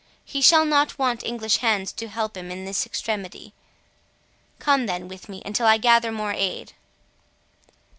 He shall not want English hands to help him in this extremity. Come then with me, until I gather more aid."